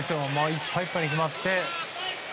いっぱいいっぱいに決まって。